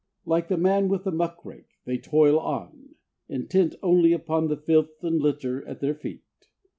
Like the man with the muck rake, they toil on, intent only upon the filth and litter at their feet.